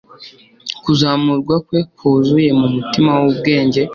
kuzamurwa kwe kwuzuye mumutima wubwenge